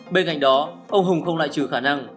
bên cạnh đó ông hùng không lại trừ khả năng